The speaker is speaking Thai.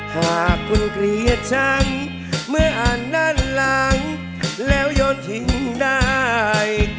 หากคุณเกลียดฉันเมื่ออ่านด้านหลังแล้วโยนทิ้งได้